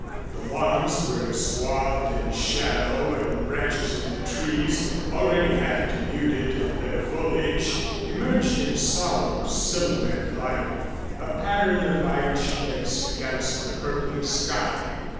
The lawns were swathed in shadow and the branches of the trees, already half denuded of their foliage, emerged in solemn silhouette like a pattern of Irish lace against the purpling sky.